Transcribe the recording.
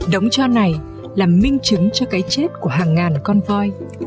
đống cho này là minh chứng cho cái chết của hàng ngàn con voi